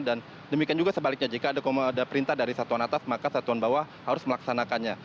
dan demikian juga sebaliknya jika ada perintah dari satuan atas maka satuan bawah harus melaksanakannya